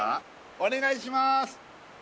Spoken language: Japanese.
お願いします